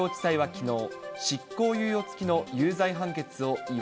きのう。